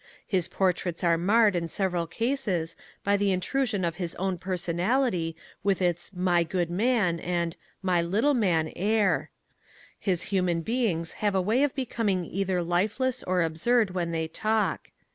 His portraits are marred in several cases by the intrusion of his own personality with its "My good man" and "My little man" air. His human beings have a way of becoming either lifeless or absurd when they talk.